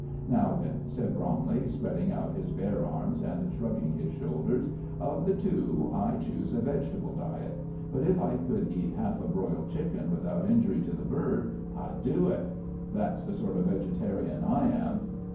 Now, then," said Bromley, spreading out his bare arms and shrugging his shoulders, "of the two, I choose a vegetable diet; but if I could eat half a broiled chicken without injury to the bird, I'd do it. That's the sort of vegetarian I am."